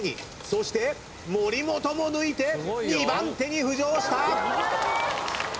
そして森本も抜いて２番手に浮上した！